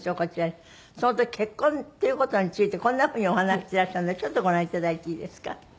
その時結婚っていう事についてこんな風にお話ししてらしたのでちょっとご覧いただいていいですか？